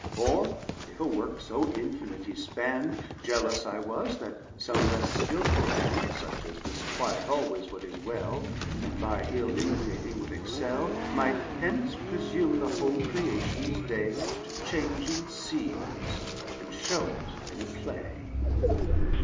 Or if a Work so infinite he spann'd, Jealous I was that some less skilful hand (Such as disquiet always what is well, And by ill imitating would excell) Might hence presume the whole Creations day To change in Scenes, and show it in a Play.